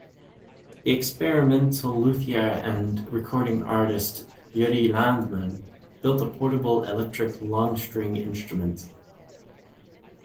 The experimental luthier and recording artist Yuri Landman built a portable electric long-string instrument.